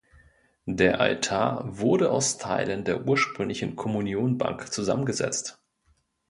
Der Altar wurde aus Teilen der ursprünglichen Kommunionbank zusammengesetzt.